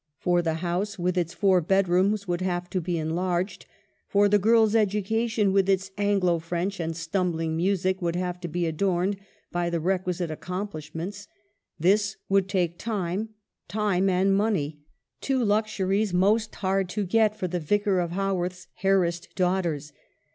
For the house with its four bedrooms would have to be enlarged ; for the girls' education, with its Anglo French and stumbling music, would have to be adorned by the requisite accomplishments, "his would take time; time and money, — two luxuries most hard to get for the Vicar of Ha rorth's harassed daughters.